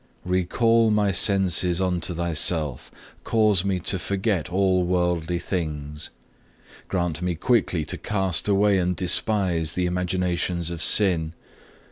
Recall my senses unto Thyself, cause me to forget all worldly things; grant me quickly to cast away and despise the imaginations of sin.